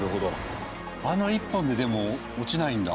あの１本ででも落ちないんだ。